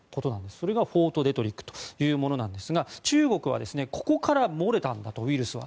それがフォートデトリックというものですが中国はここから漏れたんだとウイルスは。